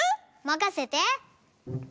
まかせて！